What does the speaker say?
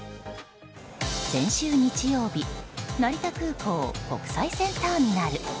先週日曜日成田空港国際線ターミナル。